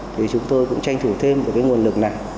thì chúng tôi cũng tranh thủ thêm một nguồn lực này